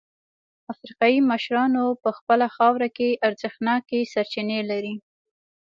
افریقايي مشرانو په خپله خاوره کې ارزښتناکې سرچینې لرلې.